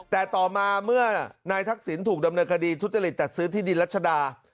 แต่ต่อมาเมื่อนายทักษิณถูกดำเนินคดีทุจริตจัดซื้อที่ดินรัชดา